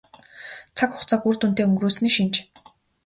Цаг хугацааг үр дүнтэй өнгөрөөсний шинж.